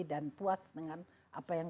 dan puas dengan apa yang